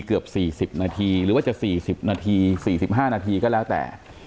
เกือบ๔๐นาทีหรือว่าจะ๔๐นาที๔๕นาทีก็แล้วแต่